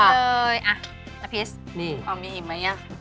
มีอีกไหมเนี่ย